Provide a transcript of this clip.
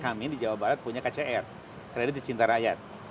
kami di jawa barat punya kcr kredit cinta rakyat